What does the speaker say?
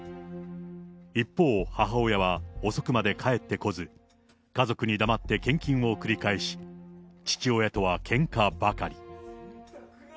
一方、母親は遅くまで帰ってこず、家族に黙って献金を繰り返し、父親とはけんかばかり。